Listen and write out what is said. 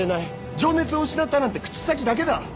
情熱を失ったなんて口先だけだ！